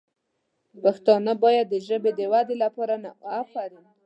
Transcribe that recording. پښتانه باید د ژبې د ودې لپاره نوښت ولري.